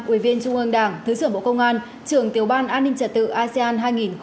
ủy viên trung ương đảng thứ trưởng bộ công an trưởng tiểu ban an ninh trật tự asean hai nghìn hai mươi